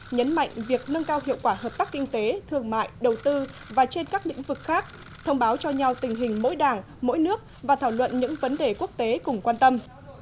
nhấn mạnh việc nâng cao hiệu quả hợp tác kinh tế thương mại đầu tư và trên các lĩnh vực khác thông báo cho nhau tình hình mỗi đảng mỗi nước và thảo luận những vấn đề quốc tế cùng quan tâm